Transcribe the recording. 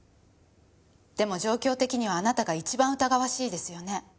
でも状況的にはあなたが一番疑わしいですよね。